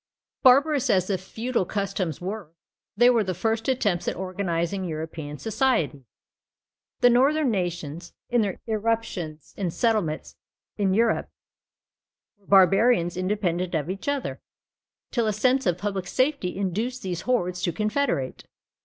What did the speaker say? Barbarous as the feudal customs were, they were the first attempts at organising European society. The northern nations, in their irruptions and settlements in Europe, were barbarians independent of each other, till a sense of public safety induced these hordes to confederate.